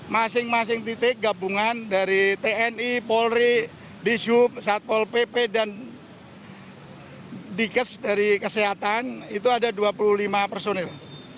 masing masing titik gabungan dari tni polri disub satpol pp dan dikes dari kesehatan itu ada dua puluh lima personil